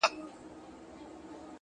مهرباني د انسانیت تر ټولو ساده ځواک دی.!